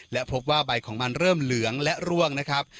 และพบว่าใบของมันเริ่มเหลืองและร่วงนะครับ